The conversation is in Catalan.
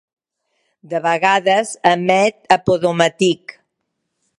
De vegades emet a podomatic.